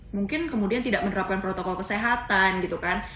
mungkin kemudian tidak menerapkan protokol kesehatan